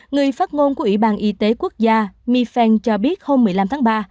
người phát ngôn của ủy ban y tế quốc gia mifel cho biết hôm một mươi năm tháng ba